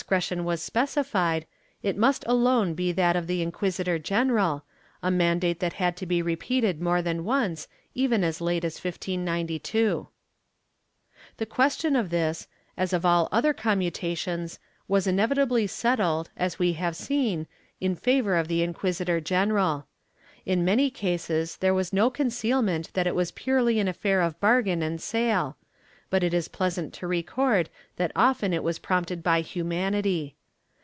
Ill] DURATION OF IMPRISONMENT 161 tion was specified, it must alone be that of the inquisitor general, a mandate that had to be repeated more than once, even as late as 1592/ The question of this, as of all other commutations, was inevit ably settled, as we have seen, in favor of the inquisitor general. In many cases there was no concealment that it was purely an affair of bargain and sale, but it is pleasant to record that often it was prompted by humanity.